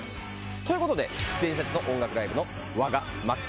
ということで伝説の音楽ライブの我がＭＡＸです。